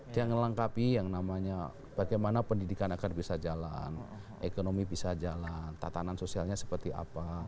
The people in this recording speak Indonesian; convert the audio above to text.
dia melengkapi yang namanya bagaimana pendidikan agar bisa jalan ekonomi bisa jalan tatanan sosialnya seperti apa